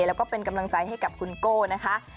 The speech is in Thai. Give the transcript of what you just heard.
แล้วก็เป็นกำลังใจให้กับคุณโก้นะคะ